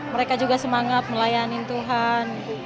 mereka juga semangat melayani tuhan